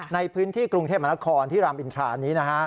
ในพื้นที่กรุงเทพมหาละครที่รามอินทรานี้